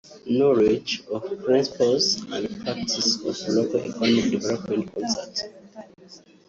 Knowledge of principles and practices of local economic development concept